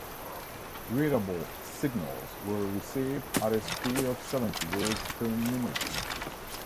Readable signals were received at a speed of seventy words per minute.